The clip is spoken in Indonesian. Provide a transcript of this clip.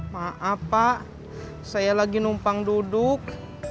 maaf pak saya lagi numpang duduk